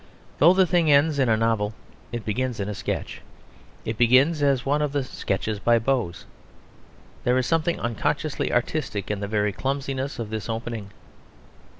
Though the thing ends in a novel it begins in a sketch; it begins as one of the Sketches by Boz. There is something unconsciously artistic in the very clumsiness of this opening.